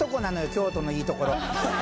京都のいいところ。